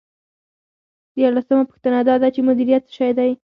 دیارلسمه پوښتنه دا ده چې مدیریت څه شی دی.